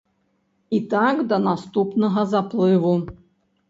І так да наступнага заплыву.